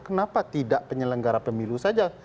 kenapa tidak penyelenggara pemilu saja